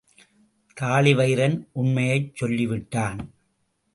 தாழிவயிறன் உண்மையைச் சொல்லிவிட்டான்.